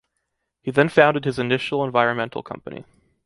He then founded his initial environmental company.